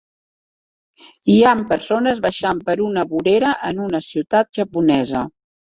Hi ha persones baixant per una vorera en una ciutat japonesa.